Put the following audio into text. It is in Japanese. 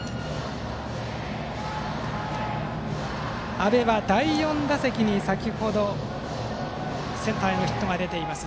安部は第４打席にセンターへのヒットが出ています。